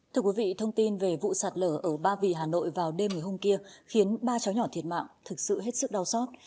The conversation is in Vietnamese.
thưa quý vị thông tin về vụ sạt lở ở ba vì hà nội vào đêm ngày hôm kia khiến ba cháu nhỏ thiệt mạng thực sự hết sức đau xót